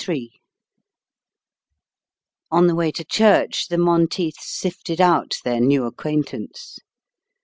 III On the way to church, the Monteiths sifted out their new acquaintance.